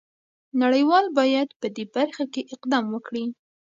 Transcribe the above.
نړۍ وال باید په دې برخه کې اقدام وکړي.